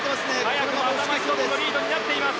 早くも頭１つのリードになっています。